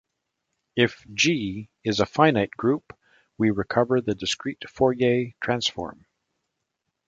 If "G" is a finite group, we recover the discrete Fourier transform.